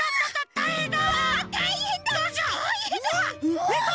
たいへんだ！